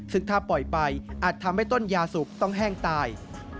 ซึ่งถ้าปล่อยไปอาจทำให้ต้นยาสุกต้องแห้งตาย